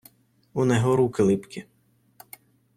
Унего руки липкі.